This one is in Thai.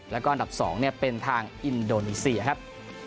แล้วก็อันดับ๒เป็นทางอินโดนีเซียครับ